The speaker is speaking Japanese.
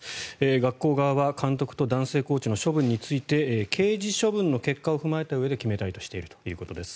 学校側は監督と男性コーチの処分について刑事処分の結果を踏まえたうえで決めたいとしているということです。